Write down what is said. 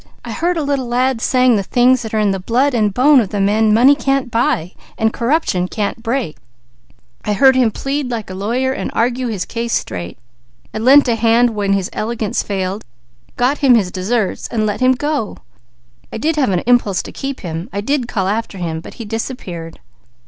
"I heard a little lad saying the things that are in the blood and bone of the men money can't buy and corruption can't break. I heard him plead like a lawyer and argue his case straight. I lent a hand when his eloquence failed, got him his deserts, then let him go! I did have an impulse to keep him. I did call after him. But he disappeared."